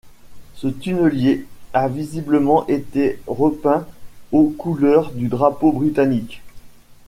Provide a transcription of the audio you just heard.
Ce tunnelier à visiblement été repeint aux couleurs du drapeau Britannique.